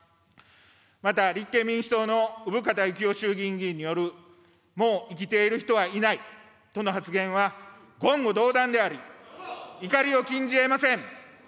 また立憲民主党の生方幸夫衆議院議員によるもう生きている人はいないとの発言は、言語道断であり、怒りを禁じえません。